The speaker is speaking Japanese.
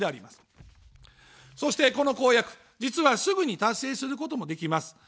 そして、この公約、実は、すぐに達成することもできます。